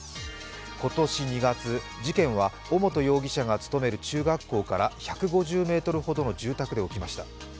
今年２月、事件は尾本容疑者が勤める中学校から１５０ｍほどの住宅で起きました。